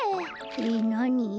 えっなに？